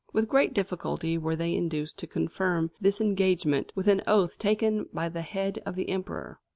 With great difficulty were they induced to confirm this engagement with an oath taken by the head of the emperor.